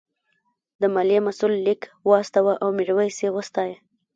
د مالیې مسوول لیک واستاوه او میرويس یې وستایه.